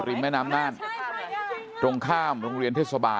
คุณยายบุญช่วยนามสกุลสุขล้ำ